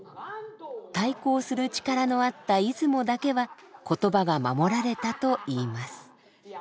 対抗する力のあった出雲だけは言葉が守られたといいます。